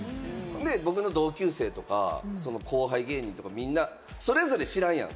僕の同級生とか、後輩芸人とか、みんなそれぞれ知らんやん、